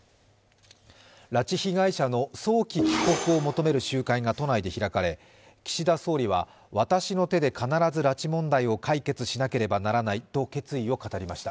拉致被害者の早期帰国を求める集会が都内で開かれ、岸田総理は私の手で必ず拉致問題を解決しなければならないと決意を語りました。